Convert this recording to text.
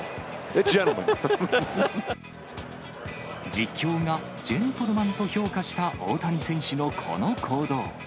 実況がジェントルマンと評価した大谷選手のこの行動。